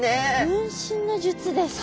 分身の術ですか。